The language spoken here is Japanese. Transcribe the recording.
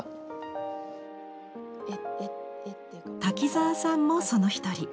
滝沢さんもその一人。